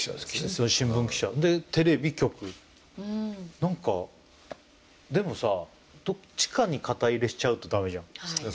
何かでもさどっちかに肩入れしちゃうと駄目じゃん。